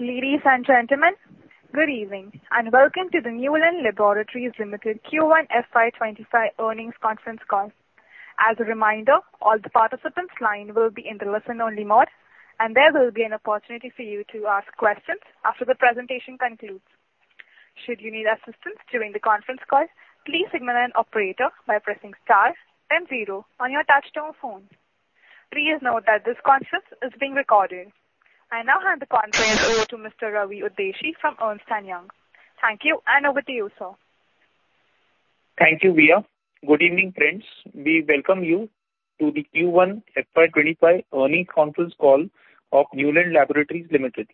Ladies and gentlemen, good evening, and welcome to the Neuland Laboratories Limited Q1 FY25 earnings conference call. As a reminder, all the participants line will be in the listen-only mode, and there will be an opportunity for you to ask questions after the presentation concludes. Should you need assistance during the conference call, please signal an operator by pressing star then zero on your touchtone phone. Please note that this conference is being recorded. I now hand the conference over to Mr. Ravi Udeshi from Ernst & Young. Thank you, and over to you, sir. Thank you, Via. Good evening, friends. We welcome you to the Q1 FY 25 earnings conference call of Neuland Laboratories Limited.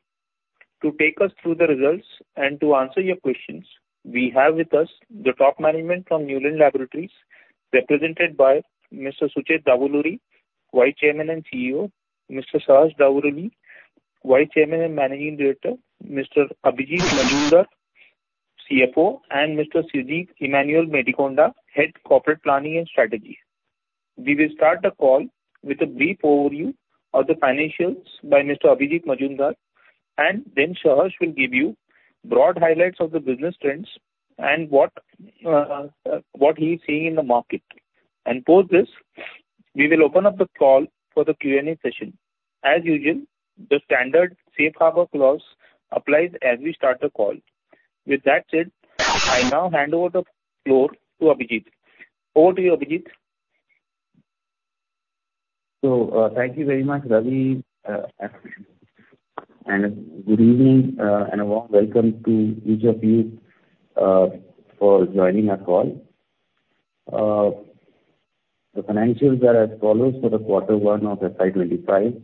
To take us through the results and to answer your questions, we have with us the top management from Neuland Laboratories, represented by Mr. Sucheth Davuluri, Vice Chairman and CEO, Mr. Saharsh Davuluri, Vice Chairman and Managing Director, Mr. Abhijit Majumdar, CFO, and Mr. Sajeev Emmanuel Medikonda, Head of Corporate Planning and Strategy. We will start the call with a brief overview of the financials by Mr. Abhijit Majumdar, and then Saharsh will give you broad highlights of the business trends and what he's seeing in the market. Post this, we will open up the call for the Q&A session. As usual, the standard safe harbor clause applies as we start the call. With that said, I now hand over the floor to Abhijit. Over to you, Abhijit. So, thank you very much, Ravi. And good evening, and a warm welcome to each of you, for joining our call. The financials are as follows: for quarter 1 of FY 2025,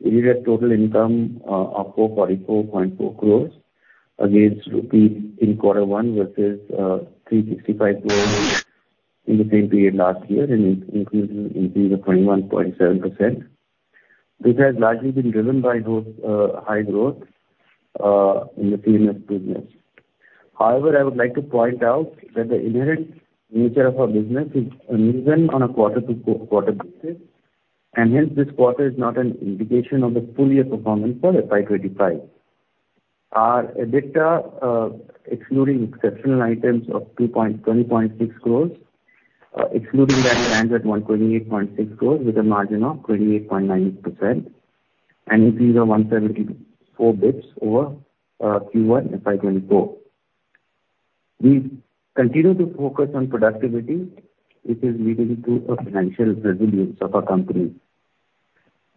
we had total income of 444.4 crores rupees against rupee in quarter 1 versus 365 crores in the same period last year, an increase of 21.7%. This has largely been driven by growth, high growth, in the CMS business. However, I would like to point out that the inherent nature of our business is uneven on a quarter-to-quarter basis, and hence, this quarter is not an indication of the full year performance for FY 2025. Our EBITDA, excluding exceptional items of 2 point... 20.6 crores, excluding that, it lands at 128.6 crores with a margin of 28.9%, an increase of 174 basis points over Q1 FY 2024. We continue to focus on productivity, which is leading to a financial resilience of our company.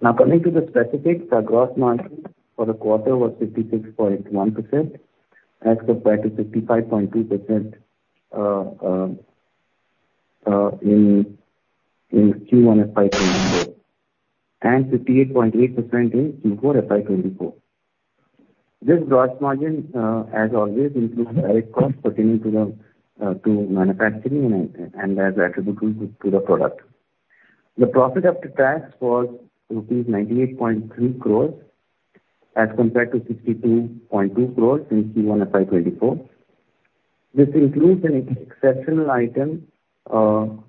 Now, coming to the specifics, our gross margin for the quarter was 56.1%, as compared to 55.2% in Q1 FY 2024, and 58.8% in Q4 FY 2024. This gross margin, as always, includes direct costs pertaining to the to manufacturing and as attributable to the product. The profit after tax was rupees 98.3 crores, as compared to 62.2 crores in Q1 FY 2024. This includes an exceptional item of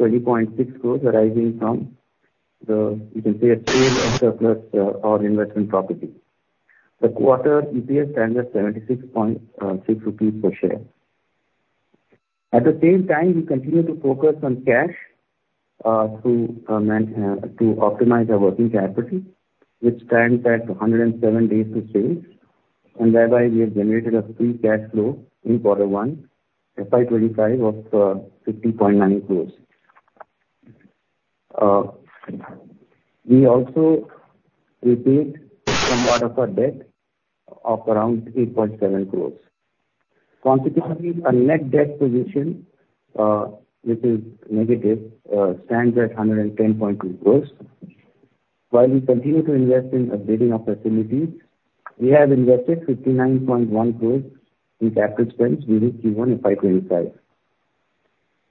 20.6 crores arising from the, you can say, a sale of surplus our investment property. The quarter EPS stands at 76.6 rupees per share. At the same time, we continue to focus on cash to optimize our working capital, which stands at 107 days to change, and thereby we have generated a free cash flow in quarter one, FY 2025, of 50.9 crores. We also repaid some part of our debt of around 3.7 crores. Consequently, our net debt position, which is negative, stands at 110.2 crores. While we continue to invest in upgrading our facilities, we have invested 59.1 crores in capital spends during Q1 FY 2025.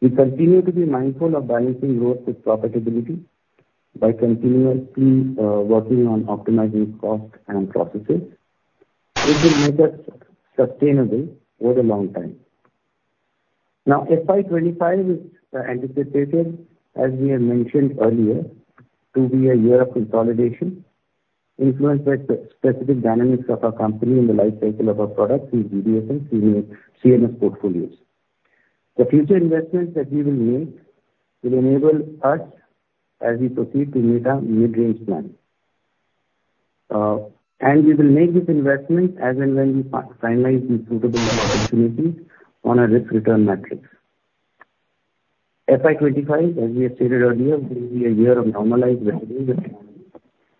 We continue to be mindful of balancing growth with profitability by continuously working on optimizing costs and processes, which will make us sustainable over a long time. Now, FY 25 is anticipated, as we have mentioned earlier, to be a year of consolidation, influenced by the specific dynamics of our company and the life cycle of our products in GDS and CMS, CMS portfolios. The future investments that we will make will enable us as we proceed to meet our mid-range plan. And we will make these investments as and when we finalize the suitable opportunities on a risk-return matrix. FY 25, as we have stated earlier, will be a year of normalized revenues,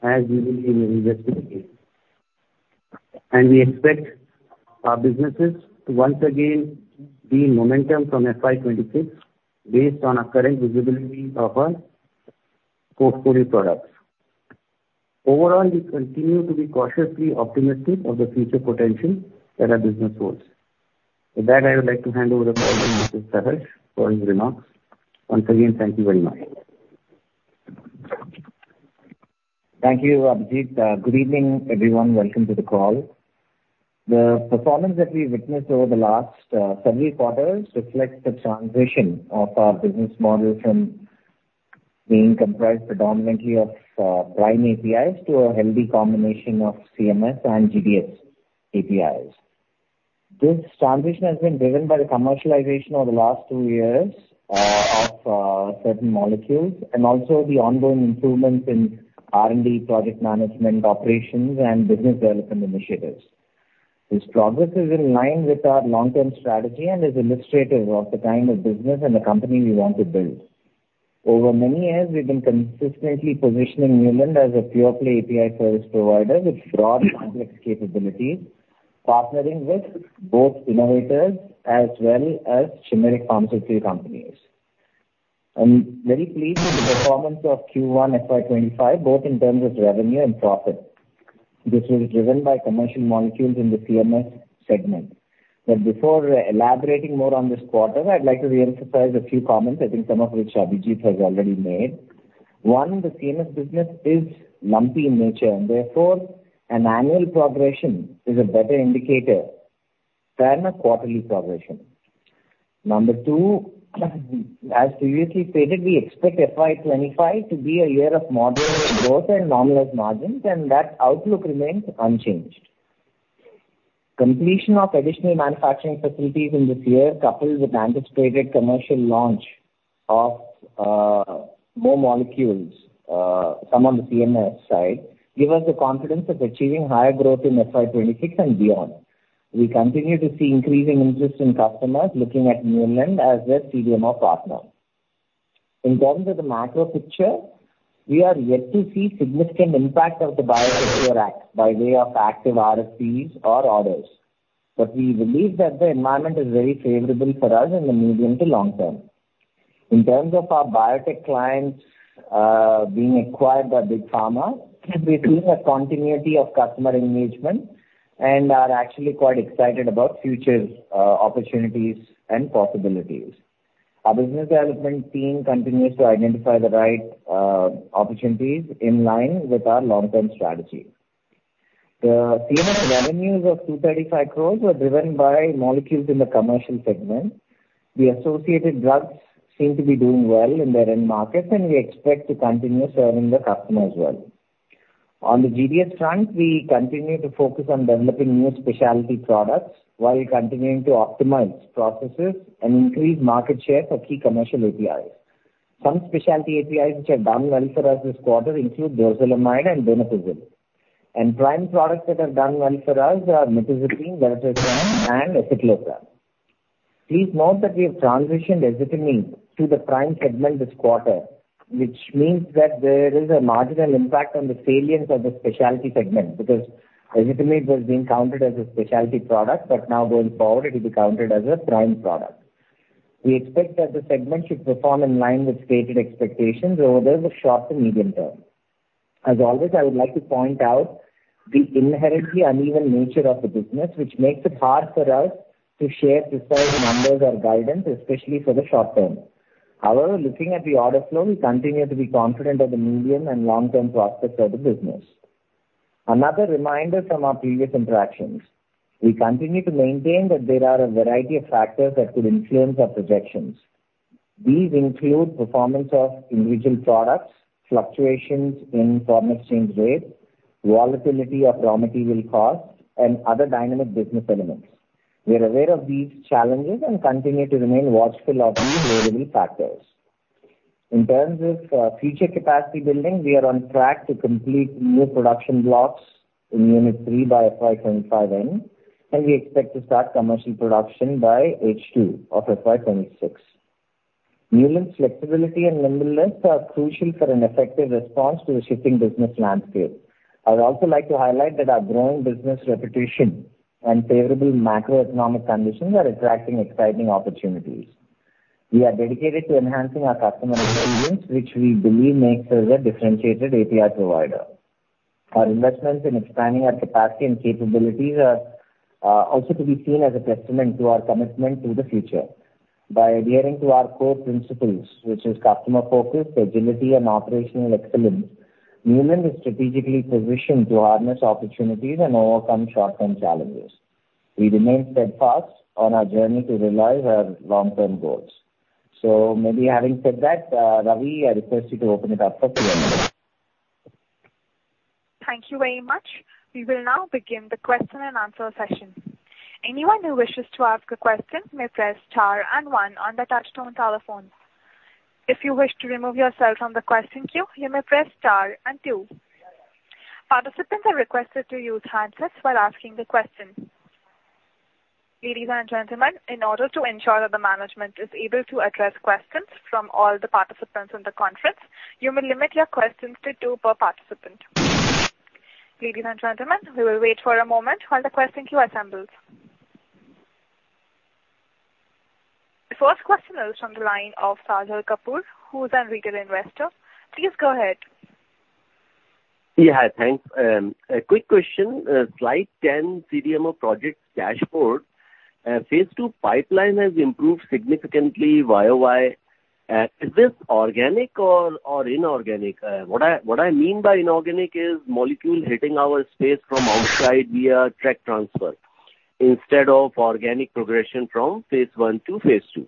as we will be in an investment phase. And we expect our businesses to once again gain momentum from FY 26, based on our current visibility of our portfolio products. Overall, we continue to be cautiously optimistic of the future potential that our business holds. With that, I would like to hand over the call to Mr. Saharsh for his remarks. Once again, thank you very much. Thank you, Abhijit. Good evening, everyone. Welcome to the call. ...The performance that we witnessed over the last seven quarters reflects the transition of our business model from being comprised predominantly of Prime APIs to a healthy combination of CMS and GDS APIs. This transition has been driven by the commercialization over the last two years of certain molecules, and also the ongoing improvements in R&D project management operations and business development initiatives. This progress is in line with our long-term strategy and is illustrative of the kind of business and the company we want to build. Over many years, we've been consistently positioning Neuland as a pure-play API service provider with broad, complex capabilities, partnering with both innovators as well as generic pharmaceutical companies. I'm very pleased with the performance of Q1 FY 25, both in terms of revenue and profit. This was driven by commercial molecules in the CMS segment. But before elaborating more on this quarter, I'd like to re-emphasize a few comments, I think some of which Abhijit has already made. One, the CMS business is lumpy in nature, and therefore, an annual progression is a better indicator than a quarterly progression. Number two, as previously stated, we expect FY 25 to be a year of moderate growth and normalized margins, and that outlook remains unchanged. Completion of additional manufacturing facilities in this year, coupled with anticipated commercial launch of more molecules, some on the CMS side, give us the confidence of achieving higher growth in FY 26 and beyond. We continue to see increasing interest in customers looking at Neuland as their CDMO partner. In terms of the macro picture, we are yet to see significant impact of the BIOSECURE Act by way of active RFPs or orders, but we believe that the environment is very favorable for us in the medium to long term. In terms of our biotech clients, being acquired by Big Pharma, we've seen a continuity of customer engagement and are actually quite excited about future, opportunities and possibilities. Our business development team continues to identify the right, opportunities in line with our long-term strategy. The CMS revenues of 235 crore were driven by molecules in the commercial segment. The associated drugs seem to be doing well in their end markets, and we expect to continue serving the customer as well. On the GDS front, we continue to focus on developing new specialty products while continuing to optimize processes and increase market share for key commercial APIs. Some specialty APIs which have done well for us this quarter include dorzolamide and donepezil. Prime products that have done well for us are mirtazapine, valacyclovir, and escitalopram. Please note that we have transitioned escitalopram to the Prime segment this quarter, which means that there is a marginal impact on the salience of the specialty segment, because escitalopram was being counted as a specialty product, but now going forward, it will be counted as a Prime product. We expect that the segment should perform in line with stated expectations over the short to medium term. As always, I would like to point out the inherently uneven nature of the business, which makes it hard for us to share precise numbers or guidance, especially for the short term. However, looking at the order flow, we continue to be confident of the medium and long-term prospects of the business. Another reminder from our previous interactions: we continue to maintain that there are a variety of factors that could influence our projections. These include performance of individual products, fluctuations in foreign exchange rates, volatility of raw material costs, and other dynamic business elements. We are aware of these challenges and continue to remain watchful of these moving factors. In terms of future capacity building, we are on track to complete new production blocks in Unit 3 by FY 2025 end, and we expect to start commercial production by H2 of FY 2026. Neuland's flexibility and nimbleness are crucial for an effective response to the shifting business landscape. I would also like to highlight that our growing business reputation and favorable macroeconomic conditions are attracting exciting opportunities. We are dedicated to enhancing our customer experience, which we believe makes us a differentiated API provider. Our investments in expanding our capacity and capabilities are also to be seen as a testament to our commitment to the future. By adhering to our core principles, which is customer focus, agility, and operational excellence, Neuland is strategically positioned to harness opportunities and overcome short-term challenges. We remain steadfast on our journey to realize our long-term goals. So maybe having said that, Ravi, I request you to open it up for Q&A. Thank you very much. We will now begin the question-and-answer session. Anyone who wishes to ask a question may press star and one on the touchtone telephone. If you wish to remove yourself from the question queue, you may press star and two. Participants are requested to use handsets while asking the question. Ladies and gentlemen, in order to ensure that the management is able to address questions from all the participants in the conference, you may limit your questions to two per participant. Ladies and gentlemen, we will wait for a moment while the question queue assembles. The first question is from the line of Sajal Kapur, who is a retail investor. Please go ahead. Yeah, thanks. A quick question. Slide 10, CDMO project dashboard. Phase two pipeline has improved significantly YOY. Is this organic or inorganic? What I mean by inorganic is molecule hitting our space from outside via tech transfer, instead of organic progression from phase one to phase two.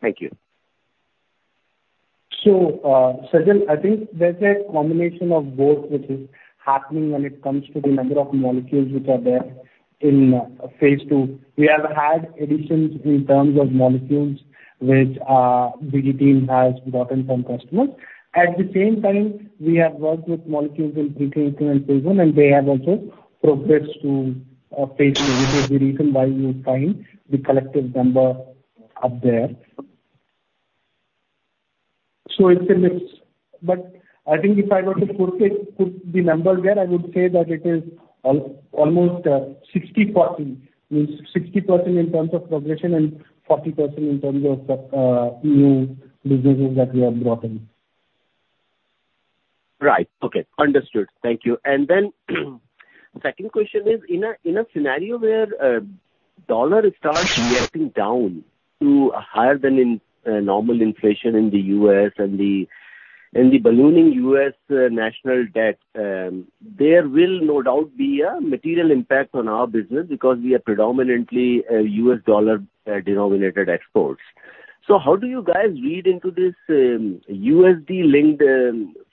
Thank you. So, Sajeev, I think there's a combination of both which is happening when it comes to the number of molecules which are there in phase two. We have had additions in terms of molecules, which BD team has gotten from customers. At the same time, we have worked with molecules in pre-clinical and they have also progressed to phase two, which is the reason why you find the collective number up there. So it's a mix, but I think if I were to put the number there, I would say that it is almost 60/40. Means 60% in terms of progression and 40% in terms of the new businesses that we have brought in. Right. Okay, understood. Thank you. And then, second question is: in a scenario where dollar starts reacting down to a higher than normal inflation in the U.S. and the ballooning U.S. national debt, there will no doubt be a material impact on our business because we are predominantly a U.S. dollar-denominated exports. So how do you guys read into this USD-linked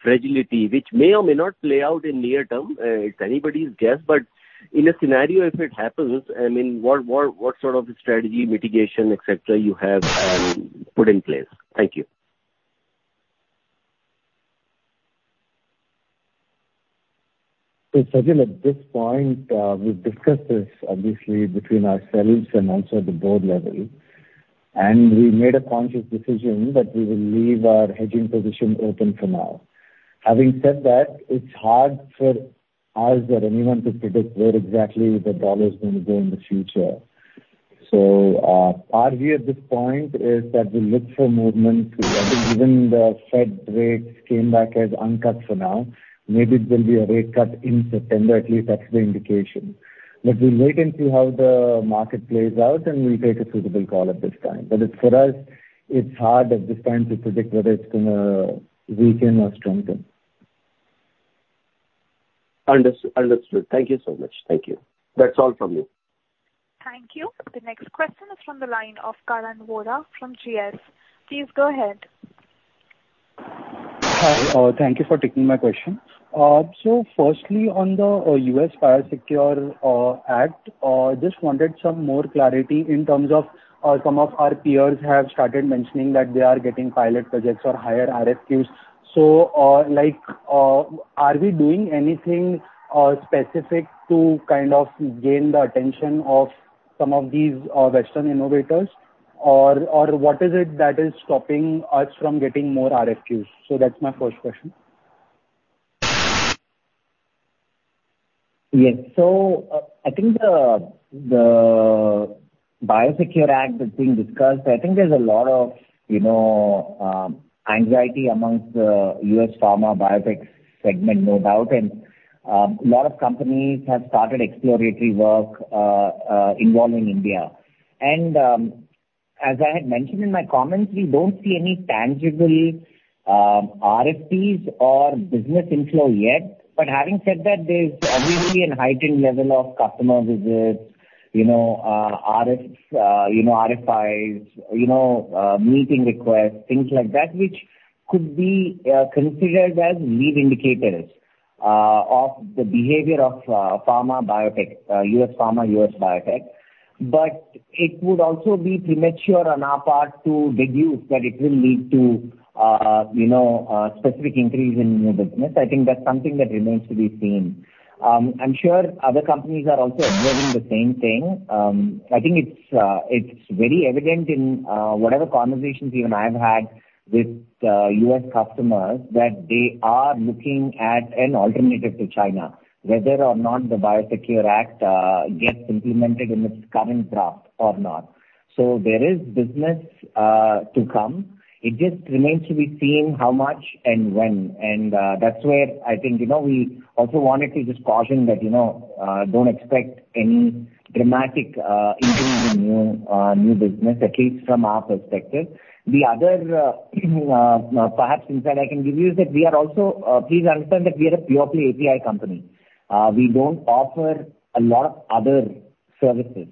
fragility, which may or may not play out in near-term? It's anybody's guess, but in a scenario, if it happens, I mean, what sort of strategy, mitigation, et cetera, you have put in place? Thank you. So Sajeev, at this point, we've discussed this obviously between ourselves and also at the board level, and we made a conscious decision that we will leave our hedging position open for now. Having said that, it's hard for us or anyone to predict where exactly the dollar is gonna go in the future. So, our view at this point is that we look for movement. I think given the Fed rates came back as uncut for now, maybe it will be a rate cut in September. At least that's the indication. But we'll wait and see how the market plays out, and we'll take a suitable call at this time. But it's, for us, it's hard at this time to predict whether it's gonna weaken or strengthen. Understood. Understood. Thank you so much. Thank you. That's all from me. Thank you. The next question is from the line of Karan Vora from GS. Please go ahead. Hi, thank you for taking my question. So, firstly, on the U.S. BIOSecure Act, just wanted some more clarity in terms of some of our peers have started mentioning that they are getting pilot projects or higher RFQs. So, like, are we doing anything specific to kind of gain the attention of some of these Western innovators? Or, or what is it that is stopping us from getting more RFQs? So that's my first question. Yes. So, I think the BIOSECURE Act that's being discussed, I think there's a lot of, you know, anxiety among the U.S. pharma biotech segment, no doubt, and a lot of companies have started exploratory work involving India. And as I had mentioned in my comments, we don't see any tangible RFPs or business inflow yet. But having said that, there's obviously a heightened level of customer visits, you know, RF, you know, RFIs, you know, meeting requests, things like that, which could be considered as lead indicators of the behavior of pharma biotech, U.S. pharma, U.S. biotech. But it would also be premature on our part to deduce that it will lead to, you know, a specific increase in new business. I think that's something that remains to be seen. I'm sure other companies are also observing the same thing. I think it's very evident in whatever conversations even I've had with U.S. customers, that they are looking at an alternative to China, whether or not the BIOSECURE Act gets implemented in its current draft or not. So there is business to come. It just remains to be seen how much and when, and that's where I think, you know, we also wanted to just caution that, you know, don't expect any dramatic increase in new business, at least from our perspective. The other perhaps insight I can give you is that we are also... Please understand that we are a pure play API company. We don't offer a lot of other services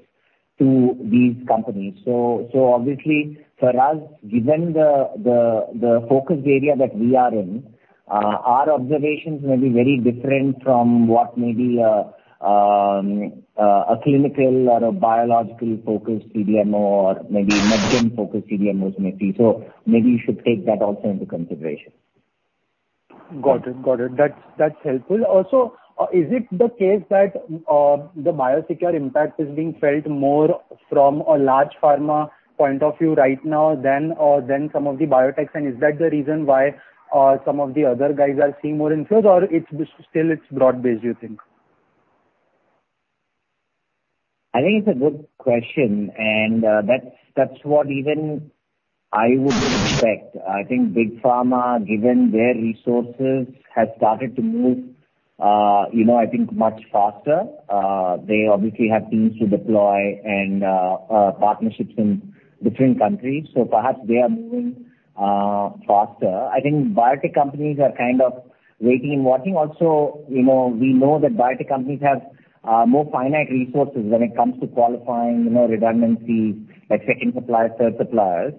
to these companies. So, so obviously for us, given the focus area that we are in, our observations may be very different from what may be a clinical or a biological-focused CDMO or maybe medchem-focused CDMOs may see. So maybe you should take that also into consideration. Got it. Got it. That's, that's helpful. Also, is it the case that the Biosecure impact is being felt more from a large pharma point of view right now than than some of the biotechs? And is that the reason why some of the other guys are seeing more inflows, or it's still, it's broad-based, you think? I think it's a good question, and that's what I would expect. I think Big Pharma, given their resources, has started to move, you know, I think much faster. They obviously have teams to deploy and partnerships in different countries, so perhaps they are moving faster. I think biotech companies are kind of waiting and watching. Also, you know, we know that biotech companies have more finite resources when it comes to qualifying, you know, redundancy, like second supplier, third suppliers.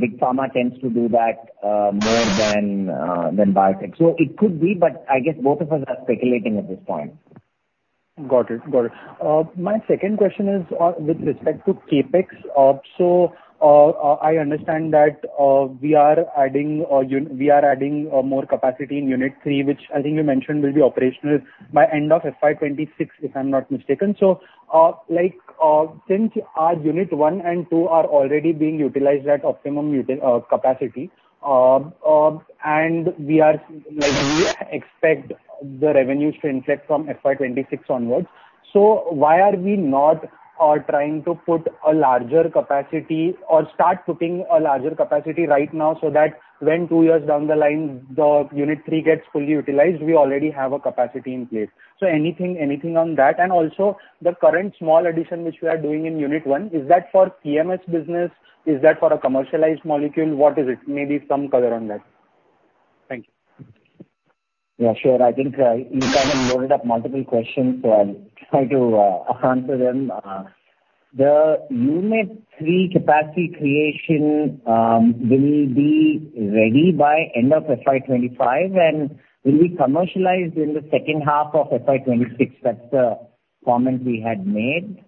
Big Pharma tends to do that more than biotech. So it could be, but I guess both of us are speculating at this point. Got it. Got it. My second question is on, with respect to CapEx. So, I understand that, we are adding, more capacity in Unit 3, which I think you mentioned will be operational by end of FY 2026, if I'm not mistaken. So, like, since our Unit 1 and 2 are already being utilized at optimum utilization capacity, and we are, like, we expect the revenues to inflect from FY 2026 onwards, so why are we not, trying to put a larger capacity or start putting a larger capacity right now, so that when 2 years down the line, the Unit 3 gets fully utilized, we already have a capacity in place? So anything, anything on that? Also, the current small addition which we are doing in Unit 1, is that for the CMS business? Is that for a commercialized molecule? What is it? Maybe some color on that. Thank you. Yeah, sure. I think, you kind of loaded up multiple questions, so I'll try to answer them. The Unit 3 capacity creation will be ready by end of FY 25 and will be commercialized in the second half of FY 26. That's the comment we had made.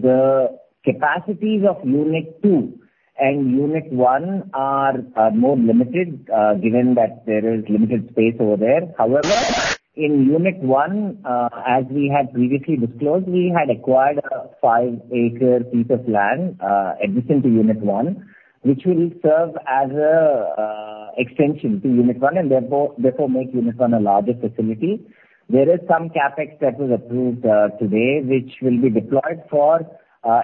The capacities of Unit 2 and Unit 1 are more limited given that there is limited space over there. However, in Unit 1, as we had previously disclosed, we had acquired a 5-acre piece of land adjacent to Unit 1, which will serve as a extension to Unit 1 and therefore make Unit 1 a larger facility. There is some CapEx that was approved, today, which will be deployed for,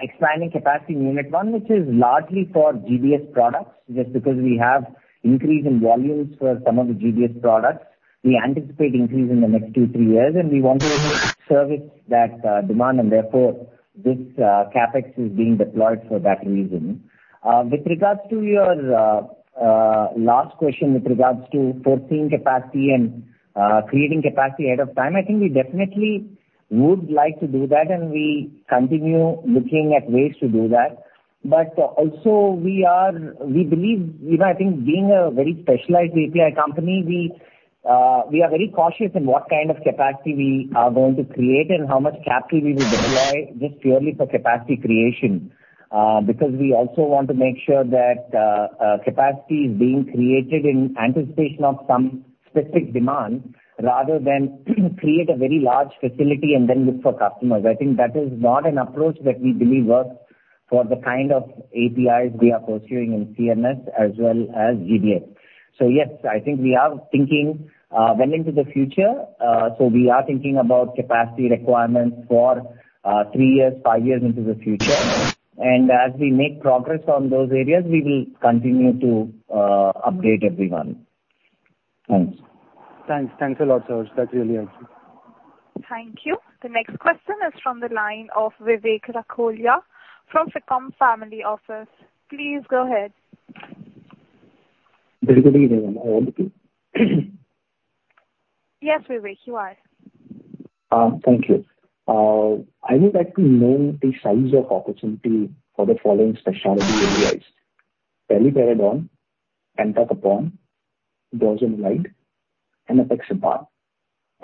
expanding capacity in Unit 1, which is largely for GDS products, just because we have increase in volumes for some of the GDS products. We anticipate increase in the next two, three years, and we want to service that, demand, and therefore this, CapEx is being deployed for that reason. With regards to your, last question with regards to foreseen capacity and, creating capacity ahead of time, I think we definitely would like to do that, and we continue looking at ways to do that. But also we are... We believe, you know, I think being a very specialized API company, we, we are very cautious in what kind of capacity we are going to create and how much capital we will deploy just purely for capacity creation. Because we also want to make sure that, capacity is being created in anticipation of some specific demand, rather than create a very large facility and then look for customers. I think that is not an approach that we believe works for the kind of APIs we are pursuing in CMS as well as GDS. So yes, I think we are thinking, well into the future. So we are thinking about capacity requirements for, three years, five years into the future. And as we make progress on those areas, we will continue to, update everyone. Thanks. Thanks. Thanks a lot, Saharsh. That's really helpful. Thank you. The next question is from the line of Vivek Rakholiya from Ficom Family Office. Please go ahead. Vivek, can you hear me okay? Yes, Vivek, you are. Thank you. I would like to know the size of opportunity for the following specialty APIs: paliperidone, entacapone, dorzolamide, and apixaban.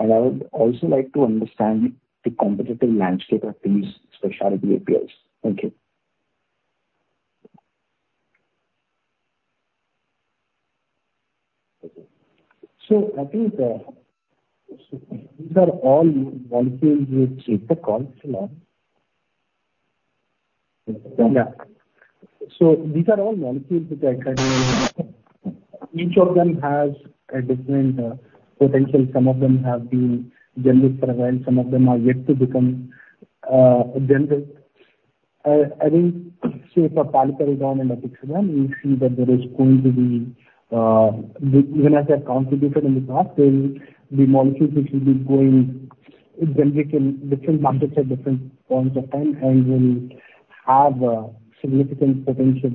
I would also like to understand the competitive landscape of these specialty APIs. Thank you. So I think, these are all molecules which take the calls for now. Yeah. So these are all molecules which I kind of... Each of them has a different, potential. Some of them have been generic for a while, some of them are yet to become, generic. I think, so for paliperidone and apixaban, we see that there is going to be, even as I have contributed in the past, there will be molecules which will be going generic in different markets at different points of time, and will have a significant potential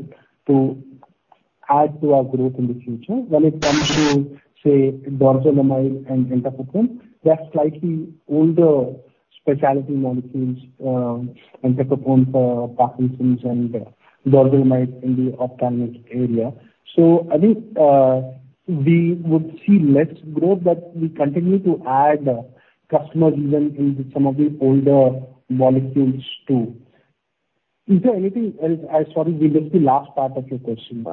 to add to our growth in the future. When it comes to, say, dorzolamide and entacapone, they're slightly older specialty molecules, entacapone for Parkinson's and dorzolamide in the ophthalmic area. So I think, we would see less growth, but we continue to add customers even in some of the older molecules, too. Is there anything else? Sorry, we missed the last part of your question.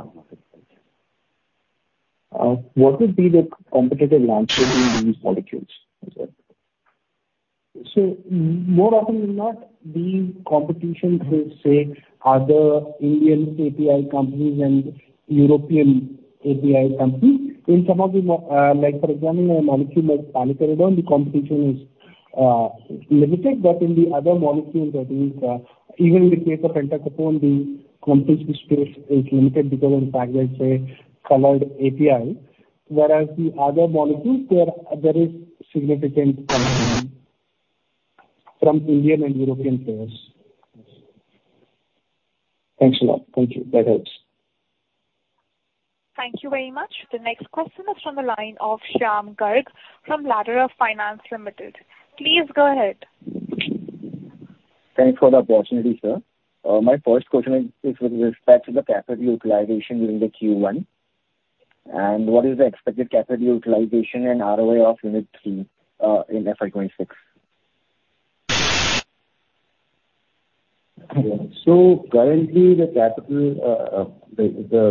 What would be the competitive landscape in these molecules as well? More often than not, the competition will say other Indian API companies and European API companies. In some of the, like, for example, a molecule like paliperidone, the competition is-... limited, but in the other molecules, that is, even in the case of entacapone, the competition space is limited because, in fact, let's say, complex API. Whereas the other molecules, there is significant from Indian and European players. Thanks a lot. Thank you. That helps. Thank you very much. The next question is from the line of Shyam Garg from Ladderup Finance Limited. Please go ahead. Thanks for the opportunity, sir. My first question is, is with respect to the capital utilization during the Q1, and what is the expected capital utilization and ROA of Unit 3, in FY 2026? So currently, the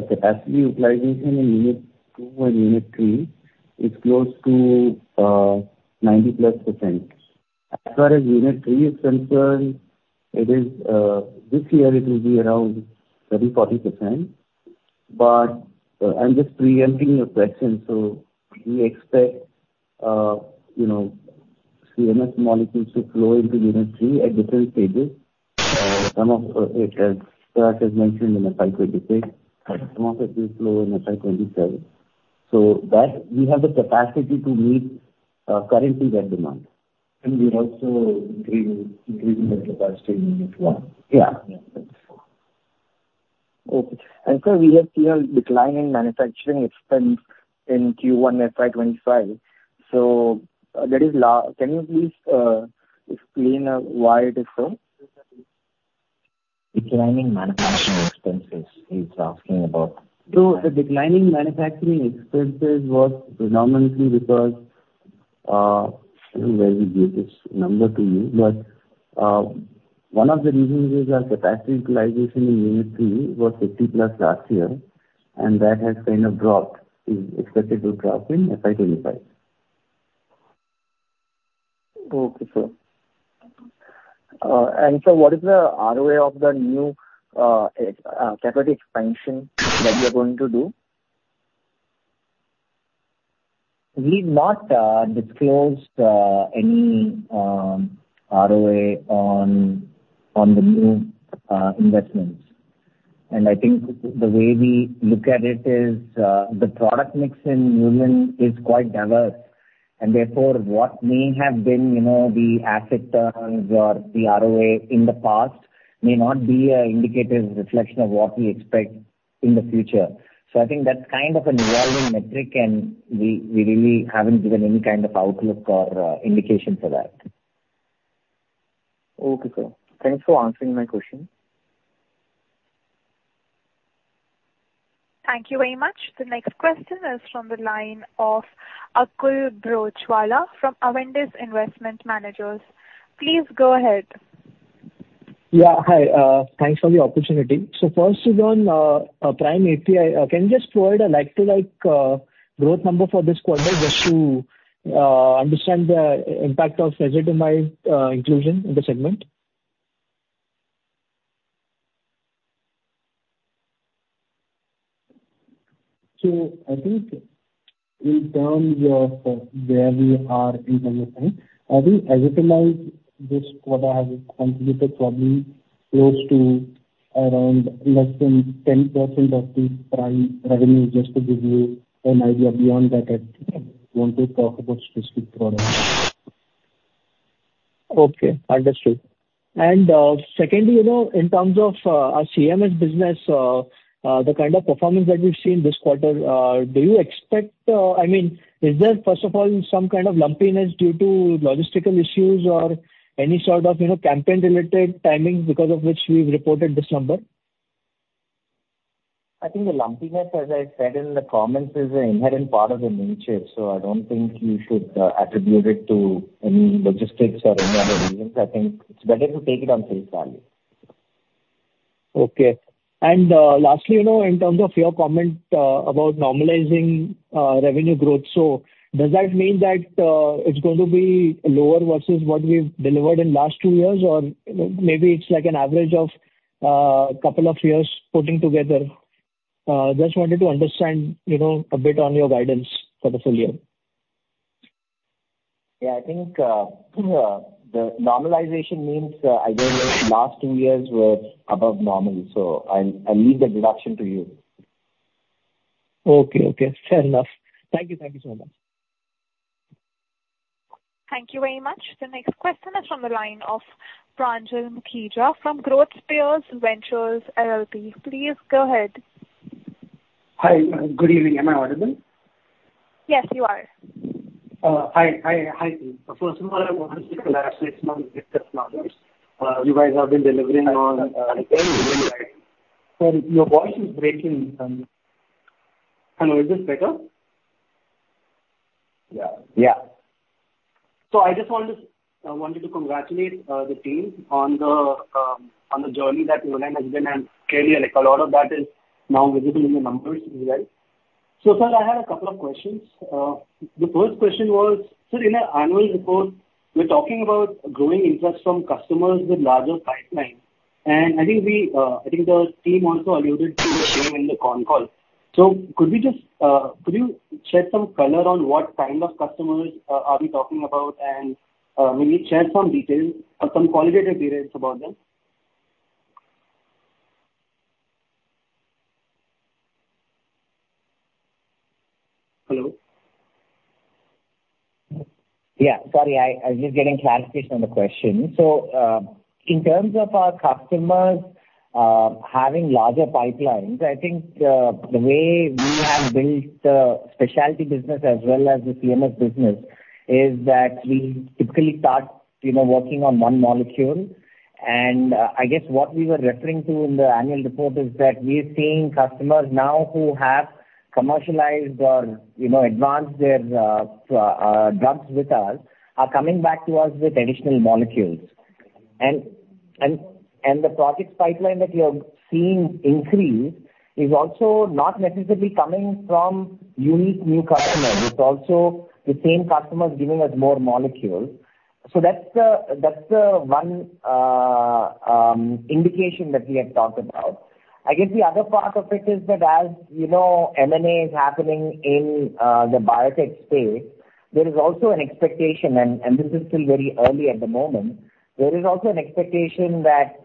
capacity utilization in Unit 2 and Unit 3 is close to 90%+. As far as Unit 3 is concerned, it is this year it will be around 30-40%. But I'm just preempting your question, so we expect you know CMS molecules to flow into Unit 3 at different stages. Some of it, as Saharsh has mentioned in the FY 2026, but some of it will flow in FY 2027. So that we have the capacity to meet currently that demand. And we're also increasing the capacity in Unit 1. Yeah. Yeah. Okay. And sir, we have seen a decline in manufacturing expense in Q1 FY 25, so that is. Can you please explain why it is so? Declining manufacturing expenses, he's asking about. The declining manufacturing expenses was predominantly because, let me give this number to you. But, one of the reasons is our capacity utilization in Unit 3 was 50+ last year, and that has kind of dropped, is expected to drop in FY 2025. Okay, sir. And sir, what is the ROA of the new capacity expansion that you are going to do? We've not disclosed any ROA on the new, Mm-hmm. investments. I think the way we look at it is, the product mix in Q1 is quite diverse, and therefore, what may have been, you know, the asset turns or the ROA in the past may not be a indicative reflection of what we expect in the future. So I think that's kind of an evolving metric, and we really haven't given any kind of outlook or, indication for that. Okay, sir. Thanks for answering my question. Thank you very much. The next question is from the line of Akul Broachwala from Avendus Investment Managers. Please go ahead. Yeah, hi. Thanks for the opportunity. So first is on Prime API. Can you just provide a like-to-like growth number for this quarter? Just to understand the impact of azithromycin inclusion in the segment. I think in terms of where we are in terms of time, I think Escitalopram, this quarter, has contributed probably close to around less than 10% of the Prime revenue, just to give you an idea. Beyond that, I don't want to talk about specific products. Okay, understood. And, secondly, you know, in terms of, our CMS business, the kind of performance that we've seen this quarter, do you expect... I mean, is there, first of all, some kind of lumpiness due to logistical issues or any sort of, you know, campaign-related timings because of which we've reported this number? I think the lumpiness, as I said in the comments, is an inherent part of the nature, so I don't think you should attribute it to any logistics or any other reasons. I think it's better to take it on face value. Okay. And, lastly, you know, in terms of your comment about normalizing revenue growth, so does that mean that it's going to be lower versus what we've delivered in last two years? Or, you know, maybe it's like an average of couple of years putting together. Just wanted to understand, you know, a bit on your guidance for the full year. Yeah, I think the normalization means. I believe the last two years were above normal, so I leave the deduction to you. Okay. Okay, fair enough. Thank you. Thank you so much. Thank you very much. The next question is from the line of Pranjal Mukhija from GrowthSphere Ventures LLP. Please go ahead. Hi, good evening. Am I audible? Yes, you are. Hi. First of all, I want to congratulate you on the quarter's numbers. You guys have been delivering on, again, really right. Sir, your voice is breaking. Hello, is this better? Yeah. Yeah. So I just wanted to congratulate the team on the journey that you all have been on, and clearly, a lot of that is now visible in the numbers you guys. So sir, I had a couple of questions. The first question was, so in our annual report, we're talking about growing interest from customers with larger pipelines. And I think the team also alluded to the same in the con call. So could you shed some color on what kind of customers are we talking about, and maybe share some details or some qualitative details about them? Hello? Yeah. Sorry, I was just getting clarification on the question. So, in terms of our customers having larger pipelines, I think, the way we have built the specialty business as well as the CMS business, is that we typically start, you know, working on one molecule. And, I guess what we were referring to in the annual report is that we're seeing customers now who have commercialized or, you know, advanced their, drugs with us, are coming back to us with additional molecules. And the project pipeline that we have seen increase, is also not necessarily coming from unique new customers. It's also the same customers giving us more molecules. So that's the one indication that we had talked about. I guess the other part of it is that, as you know, M&A is happening in the biotech space, there is also an expectation, and this is still very early at the moment, there is also an expectation that,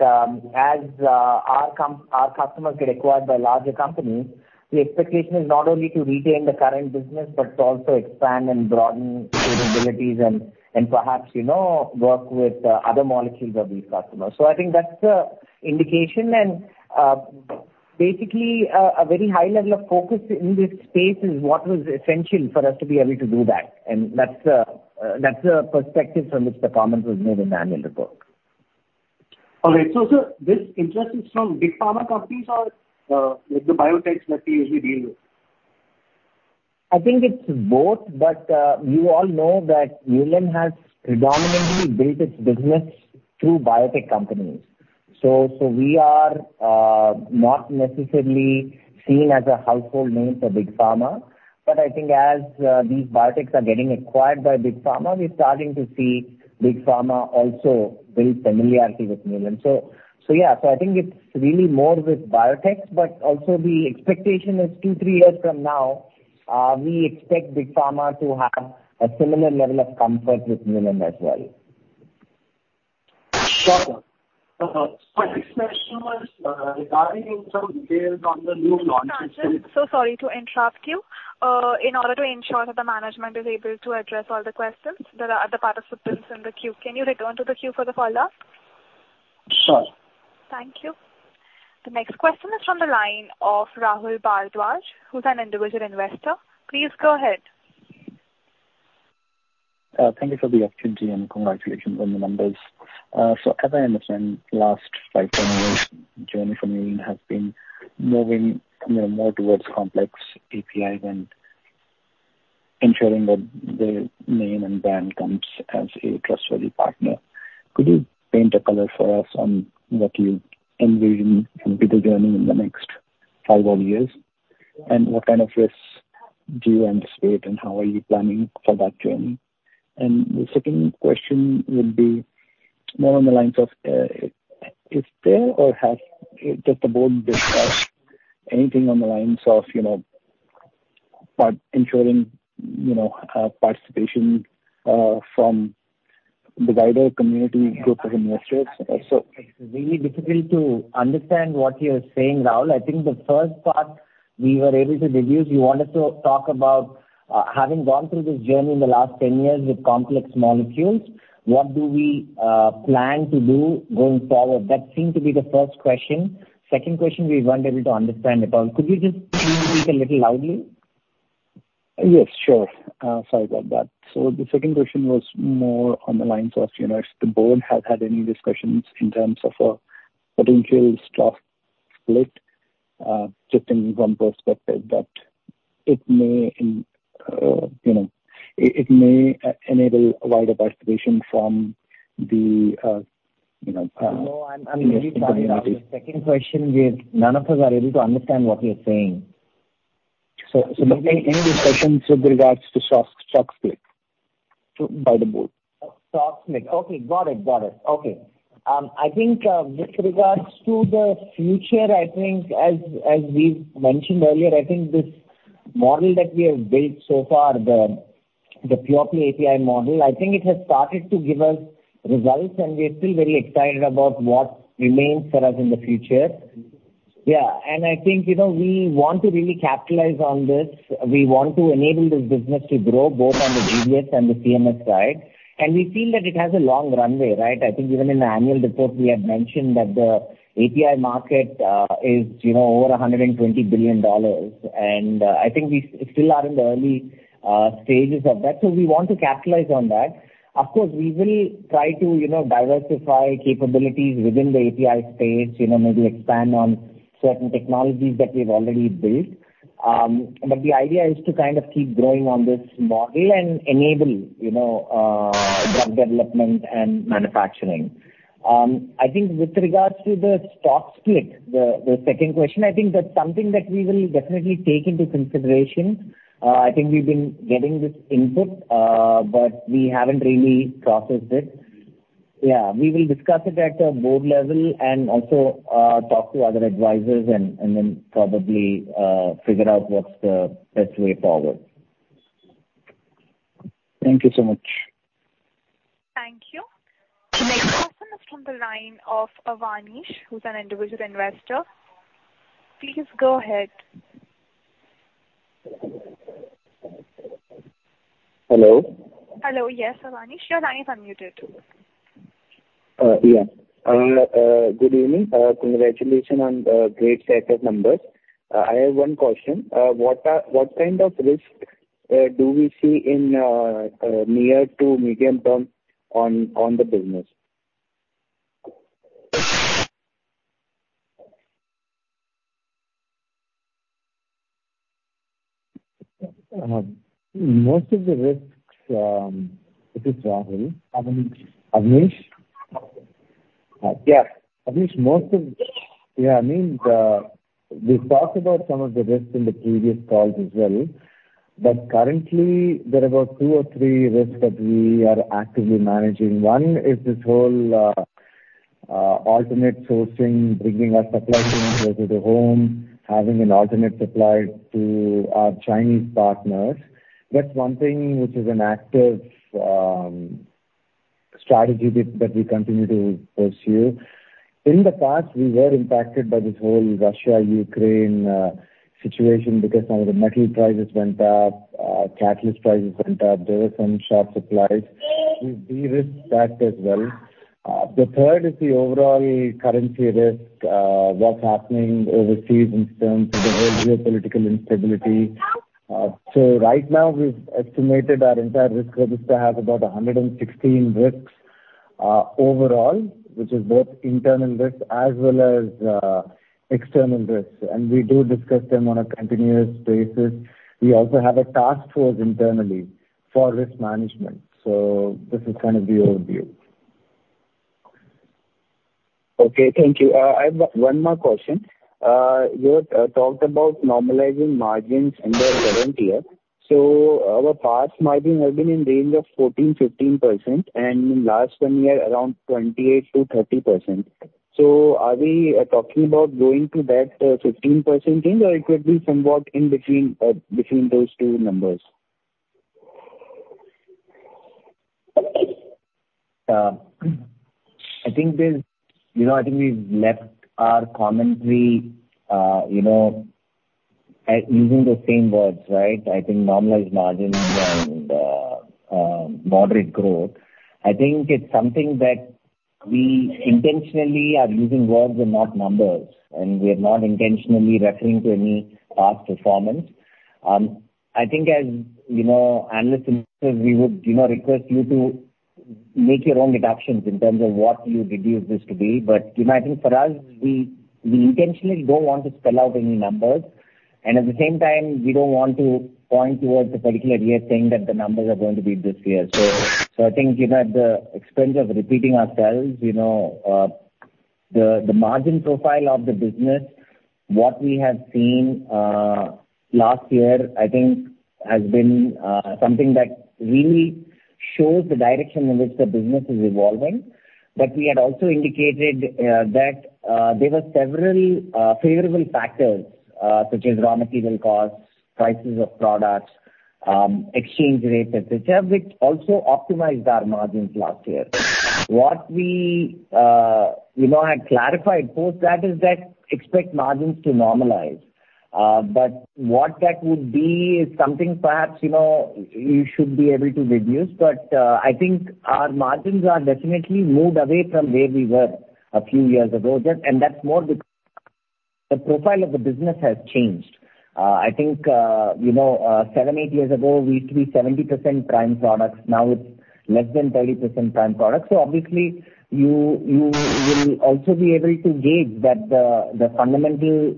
as our customers get acquired by larger companies, the expectation is not only to retain the current business, but to also expand and broaden and, and perhaps, you know, work with other molecules of these customers. So I think that's the indication, and basically, a very high level of focus in this space is what was essential for us to be able to do that. And that's the perspective from which the comment was made in the annual report. All right. So, so this interest is from big pharma companies or with the biotechs that we usually deal with? I think it's both, but you all know that Neuland has predominantly built its business through biotech companies. So we are not necessarily seen as a household name for big pharma. But I think as these biotechs are getting acquired by big pharma, we're starting to see big pharma also build familiarity with Neuland. So yeah, so I think it's really more with biotechs, but also the expectation is two, three years from now, we expect big pharma to have a similar level of comfort with Neuland as well. Got it. My next question was, regarding some details on the new launches- Sorry to interrupt you. In order to ensure that the management is able to address all the questions, there are other participants in the queue. Can you return to the queue for the follow-up? Sure. Thank you. The next question is from the line of Rahul Bhardwaj, who's an individual investor. Please go ahead. Thank you for the opportunity, and congratulations on the numbers. So as I understand, last 5, 10 years, journey for Neuland has been moving, you know, more towards complex APIs and ensuring that the name and brand comes as a trustworthy partner. Could you paint a picture for us on what you envision and bigger journey in the next 5 more years? And what kind of risks do you anticipate, and how are you planning for that journey? And the second question would be more on the lines of, is there or has, just the board discussed anything on the lines of, you know, part... ensuring, you know, participation, from the wider community groups of investors? So- It's really difficult to understand what you're saying, Rahul. I think the first part we were able to deduce, you wanted to talk about, having gone through this journey in the last 10 years with complex molecules, what do we plan to do going forward? That seemed to be the first question. Second question, we weren't able to understand at all. Could you just speak a little loudly? Yes, sure. Sorry about that. So the second question was more on the lines of, you know, if the board has had any discussions in terms of a potential stock split, just in one perspective, that it may, you know, it, it may enable a wider participation from the, you know, No, I'm, I'm really sorry, Rahul. The second question, we, none of us are able to understand what you're saying. So, any discussions with regards to stock split by the board? Stock split. Okay, got it. Got it. Okay. I think, with regards to the future, I think as we've mentioned earlier, I think this model that we have built so far, the pure play API model, I think it has started to give us results, and we are still very excited about what remains for us in the future. Yeah. And I think, you know, we want to really capitalize on this. We want to enable this business to grow both on the GDS and the CMS side. And we feel that it has a long runway, right? I think even in the annual report, we had mentioned that the API market is, you know, over $120 billion. And, I think we still are in the early stages of that. So we want to capitalize on that. Of course, we will try to, you know, diversify capabilities within the API space, you know, maybe expand on certain technologies that we've already built. But the idea is to kind of keep growing on this model and enable, you know, drug development and manufacturing. I think with regards to the stock split, the second question, I think that's something that we will definitely take into consideration. I think we've been getting this input, but we haven't really processed it.... Yeah, we will discuss it at a board level and also talk to other advisors and then probably figure out what's the best way forward. Thank you so much. Thank you. The next person is from the line of Avanish, who's an individual investor. Please go ahead. Hello? Hello, yes, Avanish, your line is unmuted. Yeah. Good evening. Congratulations on the great set of numbers. I have one question. What kind of risk do we see in the near to medium term on the business? Most of the risks. This is Rahul. Avanish. Avanish? Uh, yes. Avanish, yeah, I mean, we've talked about some of the risks in the previous calls as well, but currently there are about two or three risks that we are actively managing. One is this whole alternate sourcing, bringing our supply chain closer to home, having an alternate supply to our Chinese partners. That's one thing which is an active strategy that we continue to pursue. In the past, we were impacted by this whole Russia-Ukraine situation because some of the metal prices went up, catalyst prices went up. There were some short supplies. We risked that as well. The third is the overall currency risk, what's happening overseas in terms of the whole geopolitical instability. Right now we've estimated our entire risk register has about 116 risks, overall, which is both internal risks as well as external risks, and we do discuss them on a continuous basis. We also have a task force internally for risk management. So this is kind of the overview. Okay, thank you. I have one more question. You had talked about normalizing margins in the current year. So our past margin has been in the range of 14-15%, and in last one year, around 28%-30%. So are we talking about going to that 15% range, or it could be somewhat in between between those two numbers? I think there's... You know, I think we've left our commentary, you know, using the same words, right? I think normalized margins and moderate growth. I think it's something that we intentionally are using words and not numbers, and we are not intentionally referring to any past performance. I think as analysts, we would request you to make your own deductions in terms of what you deduce this to be. But, you know, I think for us, we, we intentionally don't want to spell out any numbers, and at the same time, we don't want to point towards a particular year saying that the numbers are going to be this year. So, so I think, you know, at the expense of repeating ourselves, you know, the margin profile of the business, what we have seen last year, I think has been something that really shows the direction in which the business is evolving. But we had also indicated that there were several favorable factors, such as raw material costs, prices of products, exchange rates, et cetera, which also optimized our margins last year. What we, you know, had clarified post that, is that expect margins to normalize. But what that would be is something perhaps, you know, you should be able to deduce. But I think our margins are definitely moved away from where we were a few years ago. Just, and that's more because the profile of the business has changed. I think, you know, 7, 8 years ago, we used to be 70% Prime products, now it's less than 30% Prime products. So obviously, you will also be able to gauge that the fundamental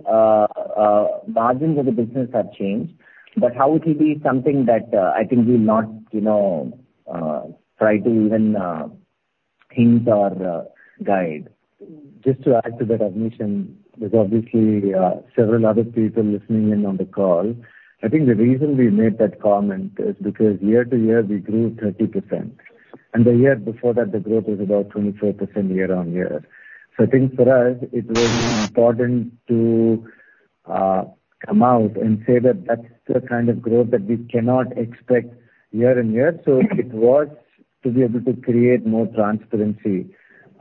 margins of the business have changed. But how it will be something that, I think we'll not, you know, try to even hint or guide. Just to add to that, Avanish, there's obviously several other people listening in on the call. I think the reason we made that comment is because year-over-year, we grew 30%, and the year before that, the growth was about 24% year-over-year. So I think for us, it was important to come out and say that that's the kind of growth that we cannot expect year-over-year. So it was to be able to create more transparency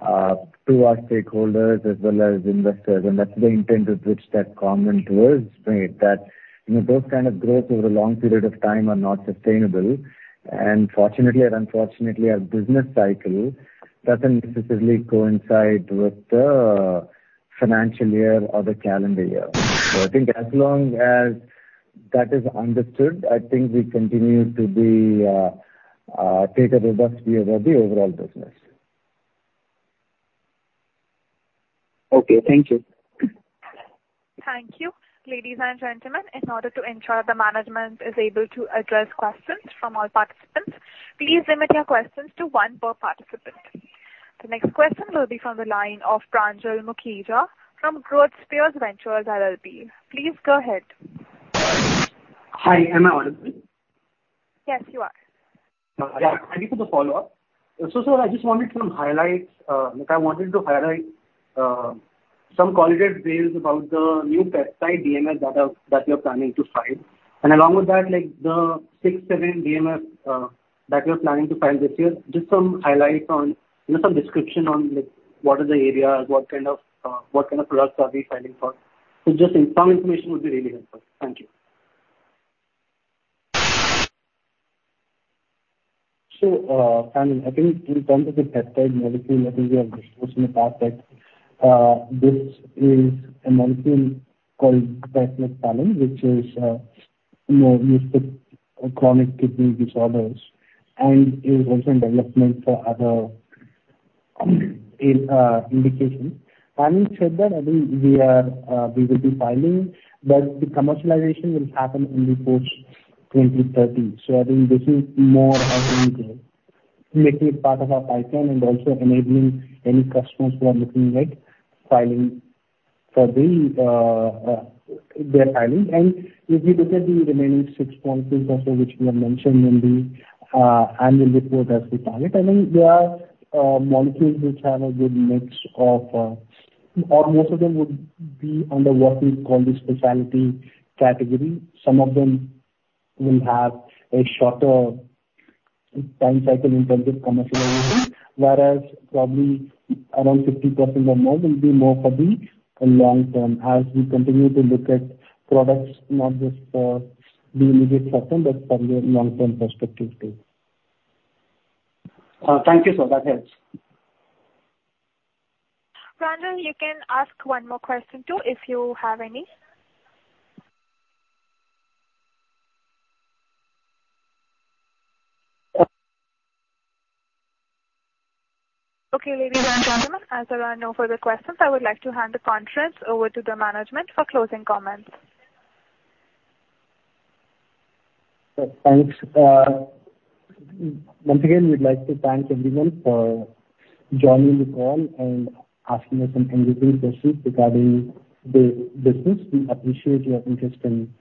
to our stakeholders as well as investors, and that's the intent with which that comment was made, that, you know, those kind of growth over a long period of time are not sustainable. And fortunately or unfortunately, our business cycle doesn't necessarily coincide with the financial year or the calendar year. So I think as long as that is understood, I think we continue to take a robust view about the overall business. Okay. Thank you. Thank you. Ladies and gentlemen, in order to ensure the management is able to address questions from all participants, please limit your questions to one per participant. The next question will be from the line of Pranjal Mukhija from GrowthSpurs Ventures LLP. Please go ahead. Hi, am I on? Yes, you are. Yeah, thank you for the follow-up. So sir, I just wanted to highlight, like I wanted to highlight, some qualitative details about the new peptide DMF filing that you're planning to file. And along with that, like the 6-7 DMFs that you're planning to file this year, just some highlights on, you know, some description on, like, what are the areas, what kind of products are we filing for? So just some information would be really helpful. Thank you. So, I think in terms of the peptide molecule, I think we have disclosed in the past that this is a molecule called difelikefalin, which is, you know, used for chronic kidney disorders and is also in development for other indications. Having said that, I think we are, we will be filing, but the commercialization will happen only post 2030. So I think this is more of making it part of our pipeline and also enabling any customers who are looking at filing for the, their filing. And if you look at the remaining 6 molecules also, which we have mentioned in the annual report as we target, I think there are molecules which have a good mix of... or most of them would be under what we call the specialty category. Some of them will have a shorter time cycle in terms of commercialization, whereas probably around 50% or more will be more for the long term, as we continue to look at products not just for the immediate present, but from a long-term perspective too. Thank you, sir. That helps. Rahul, you can ask one more question too, if you have any. Okay, ladies and gentlemen, as there are no further questions, I would like to hand the conference over to the management for closing comments. Thanks. Once again, we'd like to thank everyone for joining the call and asking us some interesting questions regarding the business. We appreciate your interest in,